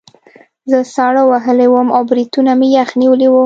زه ساړه وهلی وم او بریتونه مې یخ نیولي وو